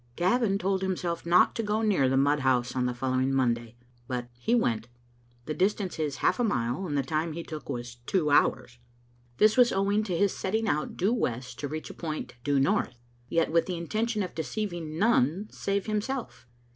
"^, Gavin told himself not to go near the mud house on the following Monday ; but he went. The distance is half a mile, and the time he took was two hours. This was owing to his setting out due west to reach a point due north; yet with the intention of deceiving none save himself.